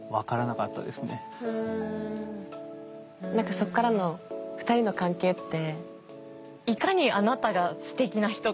そこからの２人の関係って？